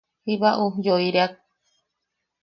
Jiba ujyoireak.